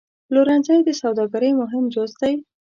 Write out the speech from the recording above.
پلورنځی د سوداګرۍ مهم جز دی.